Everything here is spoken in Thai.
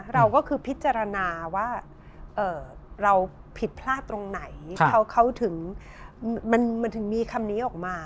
เราก็คือพิจารณาว่าเราผิดพลาดตรงไหนเขาถึงมันถึงมีคำนี้ออกมา